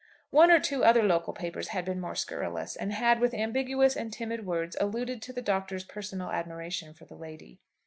One or two other local papers had been more scurrilous, and had, with ambiguous and timid words, alluded to the Doctor's personal admiration for the lady.